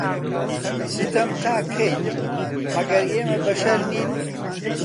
ستەم تا کەی، مەگەر ئێمە بەشەر نین